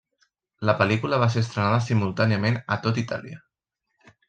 La pel·lícula va ser estrenada simultàniament a tot Itàlia.